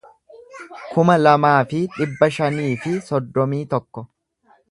kuma lamaa fi dhibba shanii fi soddomii tokko